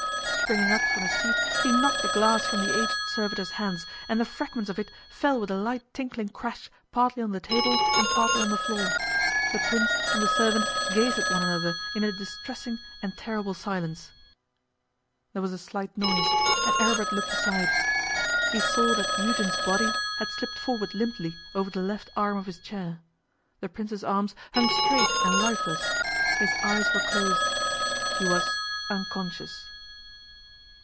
Springing up from his seat, he knocked the glass from the aged servitor's hands, and the fragments of it fell with a light tinkling crash partly on the table and partly on the floor. The Prince and the servant gazed at one another in a distressing and terrible silence. There was a slight noise, and Aribert looked aside. He saw that Eugen's body had slipped forward limply over the left arm of his chair; the Prince's arms hung straight and lifeless; his eyes were closed; he was unconscious.